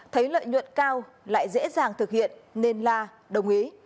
thấy lợi nhuận cao lại dễ dàng thực hiện nên la đồng ý